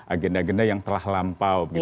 agenda agenda yang telah lampau